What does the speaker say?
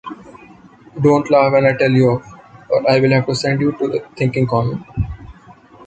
Don't laugh when I tell you off, or I will have to send you to the thinking corner.